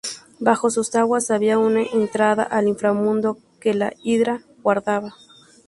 Bajo sus aguas había una entrada al Inframundo que la Hidra guardaba.